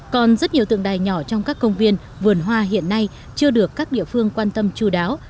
còn rất nhiều tượng đài nhỏ trong các công viên vườn hoa hiện nay chưa được các địa phương quan tâm chú đáo